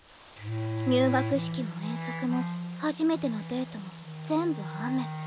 入学式も遠足も初めてのデートも全部雨。